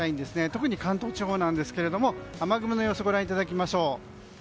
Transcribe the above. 特に関東地方ですが雨雲の様子をご覧いただきましょう。